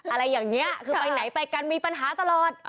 อะไรอย่างนี้คือไปไหนไปกันมีปัญหาตลอด